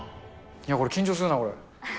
これ緊張するな、これ。